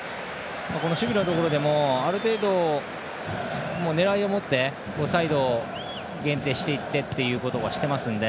守備のところでもある程度、狙いを持ってサイド、限定していってということはしていますので。